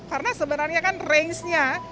karena sebenarnya kan rangenya